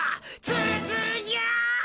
ツルツルじゃ！